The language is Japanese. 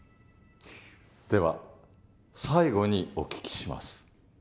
では最後にお聞きします。